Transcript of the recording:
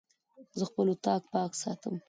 زه خپل اطاق پاک ساتم.